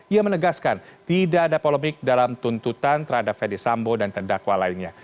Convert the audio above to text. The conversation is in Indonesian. ia menegaskan tidak ada polemik dalam tuntutan terhadap fede sambo dan terdakwa lainnya